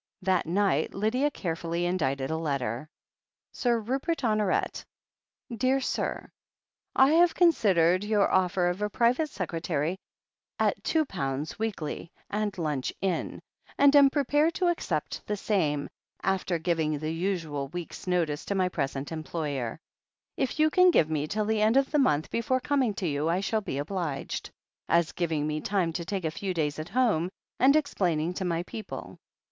That night Lydia carefully indited a letter. "Sir Rupert Honoret. "Dear Sir, "I have considered your offer of a private secre taryship at £2 weekly and lunch in, and am prepared to accept same, after giving the usual week's notice to my present employer. "If you can give me till the end of the month before coming to you I shall be obliged, as giving me time to take a few days at home and explaining to my people.